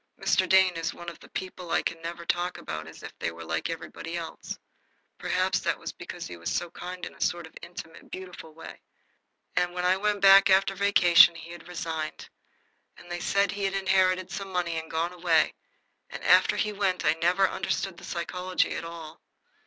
Mr. Dane is one of the people I never can talk about as if they were like everybody else. Perhaps that is because he is so kind in a sort of intimate, beautiful way. And when I went back after vacation he had resigned, and they said he had inherited some money and gone away, and after he went I never understood the psychology at all. Mr.